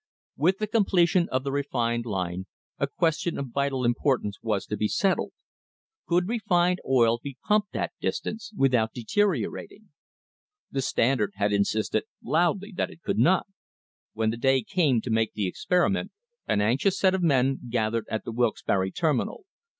With the completion of the refined line a question of vital importance was to be settled: Could refined oil be pumped that distance without deteriorating? The Standard had in sisted loudly that it could not. When the day came to make the experiment an anxious set of men gathered at the Wilkes barre terminal.